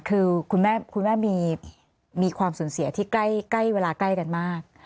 คือคุณแม่มีความสูญเสียที่ใกล้เวลาใกล้กันมาก